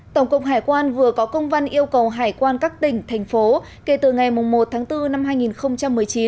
tổng cục hải quan vừa có công văn yêu cầu hải quan các tỉnh thành phố kể từ ngày một tháng bốn năm hai nghìn một mươi chín